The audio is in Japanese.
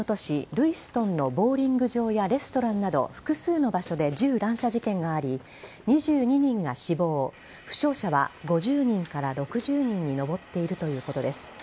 ルイストンのボウリング場やレストランなど複数の場所で銃乱射事件があり２２人が死亡負傷者は５０人から６０人に上っているということです。